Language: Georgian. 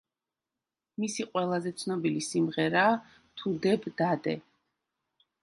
მისი ყველაზე ცნობილი სიმღერაა „თუ დებ, დადე“.